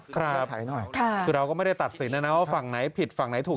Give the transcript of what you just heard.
แก้ไขหน่อยคือเราก็ไม่ได้ตัดสินนะนะว่าฝั่งไหนผิดฝั่งไหนถูก